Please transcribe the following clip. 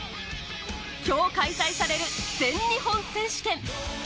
今日開催される全日本選手権。